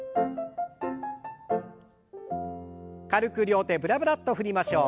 軽く両手ブラブラッと振りましょう。